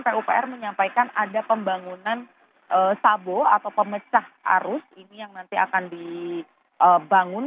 pupr menyampaikan ada pembangunan sabo atau pemecah arus ini yang nanti akan dibangun